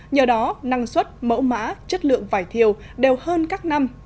nhờ đó năng suất mẫu mã chất lượng vải thiều đều hơn các năm